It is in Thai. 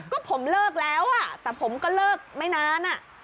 ก็ผมเลิกแล้วแต่ผมก็เลิกไม่นาน